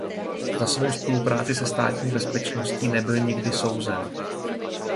Za svou spolupráci se Státní bezpečností nebyl nikdy souzen.